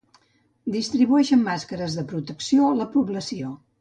Distribueixen màscares de protecció a la població.